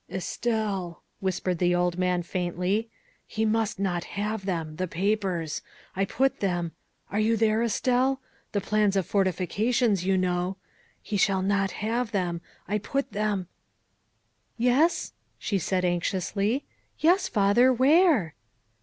" Estelle," whispered the old man faintly, " he must not have them, the papers ; I put them are you there, Estelle ? the plans of fortifications, you know. He shall not have them, I put them " Yes," she said anxiously, " yes, father, where?"